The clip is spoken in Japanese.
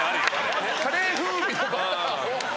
カレー風味のバターを。